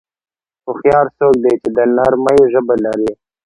هوښیار څوک دی چې د نرمۍ ژبه لري.